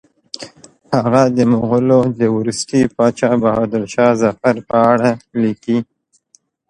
هغه د مغولو د وروستي پاچا بهادر شاه ظفر په اړه لیکي.